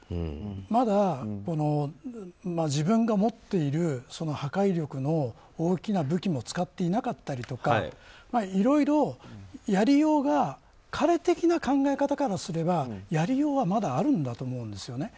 まだ、自分が持っている破壊力の大きな武器も使っていなかったりとかいろいろやりようが彼的な考え方からすればやりようはまだあるんだと思います。